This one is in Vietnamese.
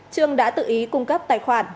trương đã tự ý cung cấp tài khoản